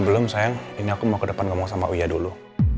belum sayang ini aku mau ke depan ngomong sama uya dulu